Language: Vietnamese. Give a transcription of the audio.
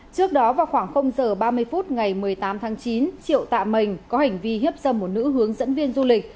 trước đó vào khoảng h ba mươi phút ngày một mươi tám tháng chín triệu tạ mình có hành vi hiếp dâm một nữ hướng dẫn viên du lịch